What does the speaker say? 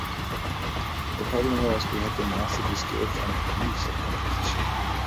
The problem was, we had to master the skills and techniques of composition.